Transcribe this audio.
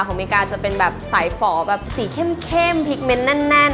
อเมริกาจะเป็นแบบสายฝอแบบสีเข้มพริกเมนต์แน่น